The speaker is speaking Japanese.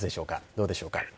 どうでしょうか？